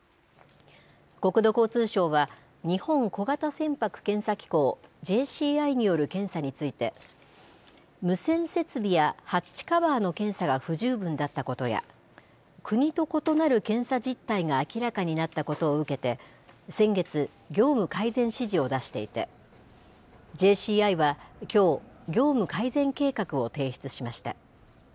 国土交通省は、日本小型船舶検査機構・ＪＣＩによる検査について、無線設備やハッチカバーの検査が不十分だったことや、国と異なる検査実態が明らかになったことを受けて、先月、業務改善指示を出していて、ＪＣＩはきょう、業務改善計画を提出しました。